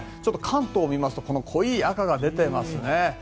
関東を見ますと濃い赤が出ていますね。